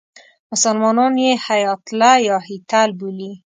مسلمانان یې هیاتله یا هیتل بولي.